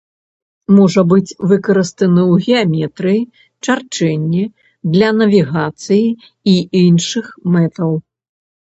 Можа быць выкарыстаны ў геаметрыі, чарчэнні, для навігацыі і іншых мэтаў.